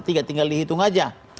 tinggal dihitung aja